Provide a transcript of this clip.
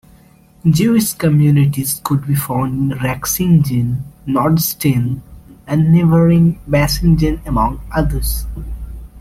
Jewish communities could be found in Rexingen, Nordstetten and neighboring Baisingen, among others.